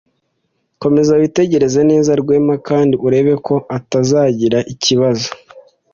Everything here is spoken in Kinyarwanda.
Komeza witegereze neza Rwema kandi urebe ko atazagira ikibazo.